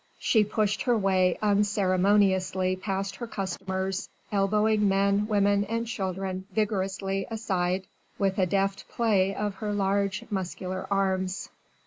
She pushed her way unceremoniously past her customers, elbowing men, women and children vigorously aside with a deft play of her large, muscular arms.